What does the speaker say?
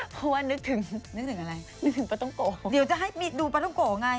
เพราะว่านึกถึงนึกถึงอะไรนึกถึงปลาต้องโกะเดี๋ยวจะให้ดูปลาต้องโกะไง